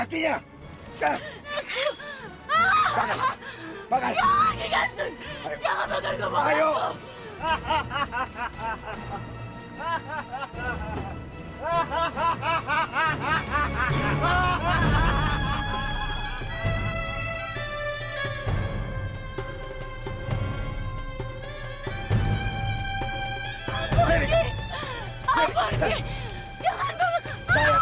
terima kasih dan lagi maaf penyayang